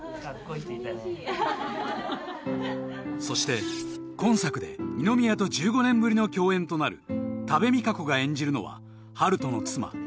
そして今作で二宮と１５年ぶりの共演となる多部未華子が演じるのは温人の妻